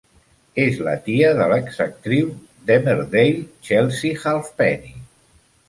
És la tia de l'exactriu d'"Emmerdale" Chelsea Halfpenny.